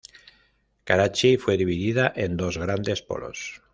Karachi fue dividida en dos grandes polos.